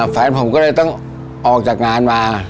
แฟนผมก็เลยต้องออกจากงานมา